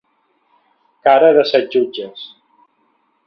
Cara de set jutges.